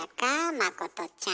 まことちゃん。